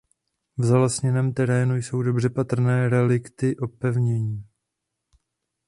V zalesněném terénu jsou dobře patrné relikty opevnění.